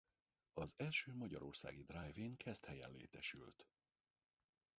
Az első magyarországi drive-in Keszthelyen létesült.